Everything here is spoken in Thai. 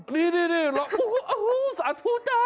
นี่หรออู้สาธุจ่า